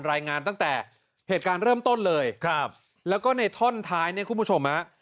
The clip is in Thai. รายงานตั้งแต่เหตุการณ์เริ่มต้นเลยครับแล้วก็ในท่อนท้ายเนี่ยคุณผู้ชมฮะ